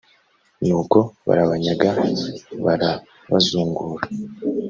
nuko barabanyaga, barabazungura.